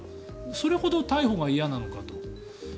それほど逮捕が嫌なのかと。